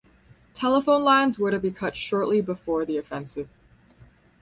Telephone lines were to be cut shortly before the offensive.